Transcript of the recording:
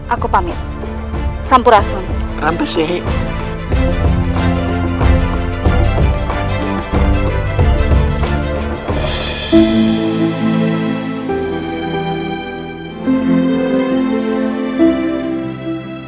aku pamit sampurasun ampe syekh